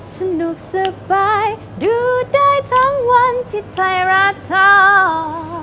สนุกสบายดูได้ทั้งวันที่ไทยรักเจ้า